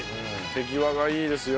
手際がいいですよ